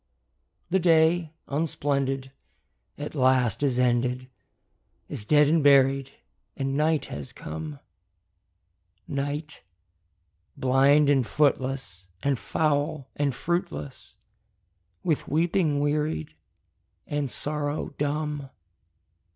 The day, unsplendid, at last is ended, Is dead and buried, and night has come; Night, blind and footless, and foul and fruitless, With weeping wearied, and sorrow dumb.